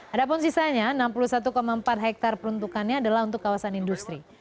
ada pun sisanya enam puluh satu empat hektare peruntukannya adalah untuk kawasan industri